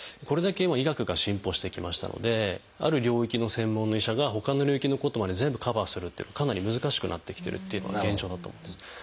これだけ今医学が進歩してきましたのである領域の専門の医者がほかの領域のことまで全部カバーするっていうのはかなり難しくなってきてるというのが現状だと思うんです。